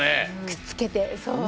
くっつけてそう。